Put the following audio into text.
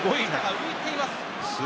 浮いています。